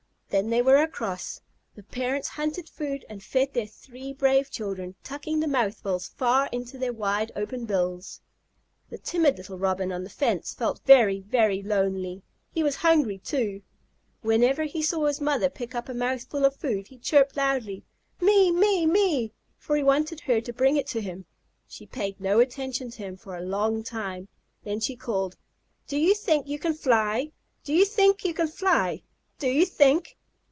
When they were across, the parents hunted food and fed their three brave children, tucking the mouthfuls far into their wide open bills. The timid little Robin on the fence felt very, very lonely. He was hungry, too. Whenever he saw his mother pick up a mouthful of food, he chirped loudly: "Me! Me! Me!" for he wanted her to bring it to him. She paid no attention to him for a long time. Then she called: "Do you think you can fly? Do you think you can fly? Do you think?"